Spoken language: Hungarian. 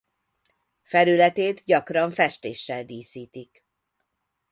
Felületét gyakran festéssel díszítik.